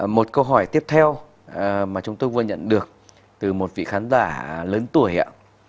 một câu hỏi tiếp theo mà chúng tôi vừa nhận được từ một vị khán giả lớn tuổi ạ